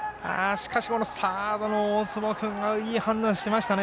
しかし、サードの大坪君がいい反応をしましたね。